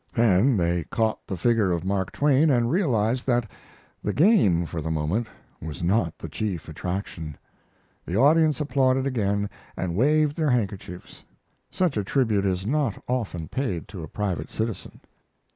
Then they caught the figure of Mark Twain and realized that the game, for the moment, was not the chief attraction. The audience applauded again, and waved their handkerchiefs. Such a tribute is not often paid to a private citizen.